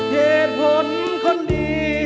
เหตุผลคนดี